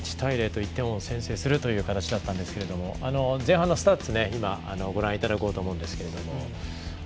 モロッコが１対０と先制するということだったんですが前半のスタッツご覧いただこうと思うんですが。